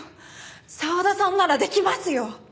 澤田さんならできますよ！